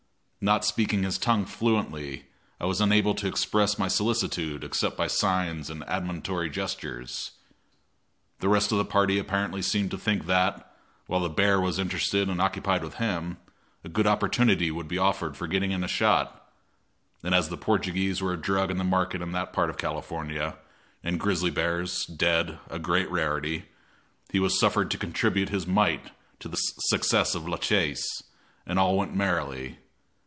Not speaking his tongue fluently, I was unable to express my solicitude except by signs and admonitory gestures. The rest of the party apparently seemed to think that, while the bear was interested and occupied with him, a good opportunity would be offered for getting in a shot; and as Portuguese were a drug in the market in that part of California, and grizzly bears, dead, a great rarity, he was suffered to contribute his mite to the success of la chasse, and all went merrily.